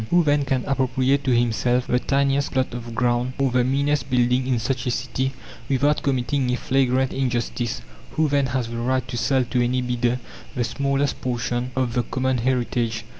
Who, then, can appropriate to himself the tiniest plot of ground, or the meanest building in such a city, without committing a flagrant injustice? Who, then, has the right to sell to any bidder the smallest portion of the common heritage?